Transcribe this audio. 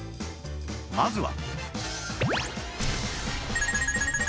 まずは